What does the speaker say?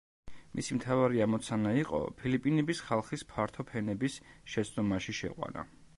მისი მთავარი ამოცანა იყო ფილიპინების ხალხის ფართო ფენების შეცდომაში შეყვანა.